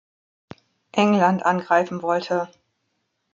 England angreifen wollte.